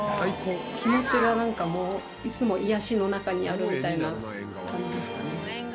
気持ちがなんかもういつも癒やしの中にあるみたいな感じですかね。